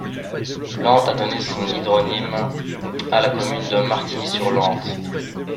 L'Ante a donné son hydronyme à la commune de Martigny-sur-l'Ante.